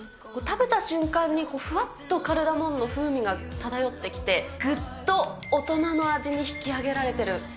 食べた瞬間にふわっとカルダモンの風味が漂ってきて、ぐっと大人の味に引き上げられている。